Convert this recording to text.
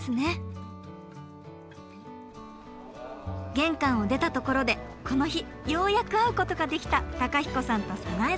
玄関を出たところでこの日ようやく会うことができた公彦さんと早苗さん。